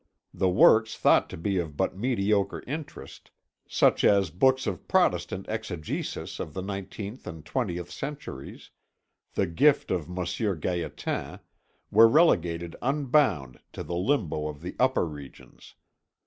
The works thought to be of but mediocre interest, such as books of Protestant exegesis of the nineteenth and twentieth centuries, the gift of Monsieur Gaétan, were relegated unbound to the limbo of the upper regions.